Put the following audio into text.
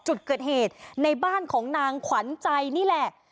จุดเกิดเหตุในบ้านของนางขวัญใจนี่แหละ